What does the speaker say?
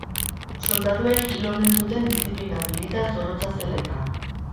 Soldaduek hil omen zuten diziplina militar zorrotza zela eta.